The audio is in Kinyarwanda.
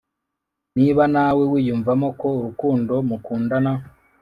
niba nawe wiyumvamo ko urukundo mukundana